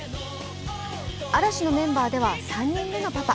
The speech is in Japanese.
嵐のメンバーでは３人目のパパ。